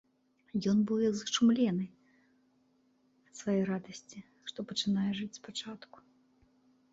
Ён быў як зачумлены ад свае радасці, што пачынае жыць спачатку.